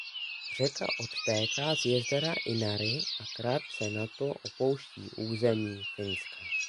Řeka odtéká z jezera Inari a krátce nato opouští území "Finska".